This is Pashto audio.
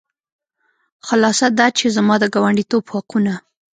خلاصه دا چې زما د ګاونډیتوب حقونه.